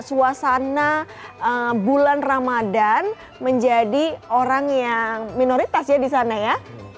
suasana bulan ramadhan menjadi orang yang minoritas ya disana ya